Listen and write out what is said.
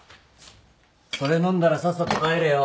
それ飲んだらさっさと帰れよ。